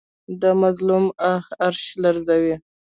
د مظلوم آه عرش لرزوي